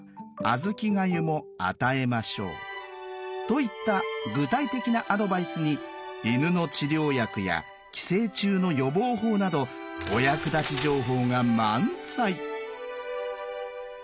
といった具体的なアドバイスに犬の治療薬や寄生虫の予防法などお役立ち情報が満載。